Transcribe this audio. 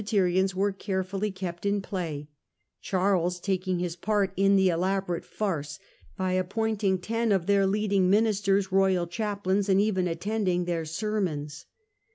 terians were carefully kept in play ; Charles taking his part in the elaborate farce by appointing ten of their leading ministers royal chaplains, and even attending their sermons.